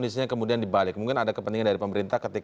sudah pasti yakin